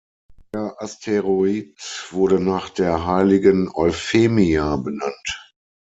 Der Asteroid wurde nach der Heiligen Euphemia benannt.